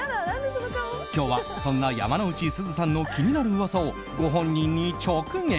今日は、そんな山之内すずさんの気になる噂をご本人に直撃。